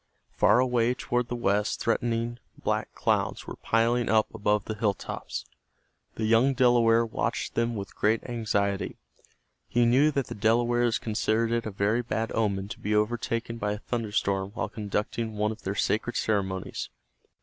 Far away toward the west threatening black clouds were piling up above the hill tops. The young Delaware watched them with great anxiety. He knew that the Delawares considered it a very bad omen to be overtaken by a thunder storm while conducting one of their sacred ceremonies.